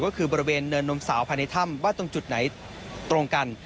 ก็คือบริเวณเนินนมสาวภายในถ้ำว่าตรงจุดไหนตรงกัน